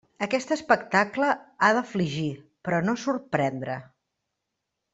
Aquest espectacle ha d'afligir, però no sorprendre.